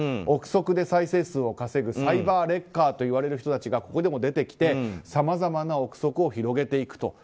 憶測で再生数を稼ぐサイバーレッカーという人たちがここでも出てきてさまざまな憶測を広げていくと。